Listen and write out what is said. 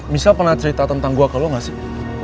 michelle pernah cerita tentang gue ke el gak sih